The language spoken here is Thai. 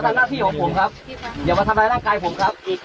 แค่ทื้อเฉยเฉยในช่องอะไรเนี้ยอย่าทำร้ายร่างกายผมครับ